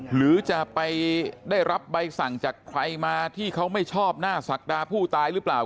หรือจะไปได้รับใบสั่งจากใครมาที่เขาไม่ชอบหน้าศักดาผู้ตายหรือเปล่า